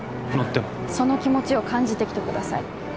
乗ってもその気持ちを感じてきてください